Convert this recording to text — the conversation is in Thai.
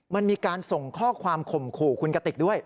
มันมีการส่งข้อความข่มขู่คุณกติกด้วย